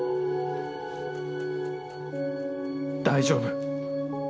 大丈夫。